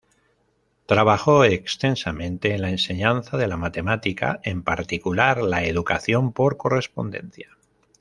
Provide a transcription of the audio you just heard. Trabajó extensamente en la enseñanza de la matemática, en particular la educación por correspondencia.